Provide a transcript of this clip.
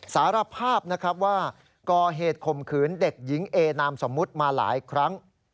สารภาพนะครับว่าก่อเหตุข่มขืนเด็กหญิงเอนามสมมุติมาหลายครั้ง